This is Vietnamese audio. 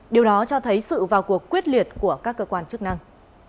điều đó cho thấy sự vào cuộc quyết liệt của các cơ quan chức năng